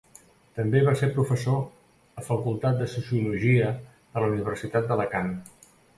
També va ser professor a Facultat de Sociologia de la Universitat d'Alacant.